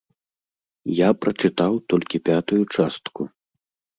Я прачытаў толькі пятую частку.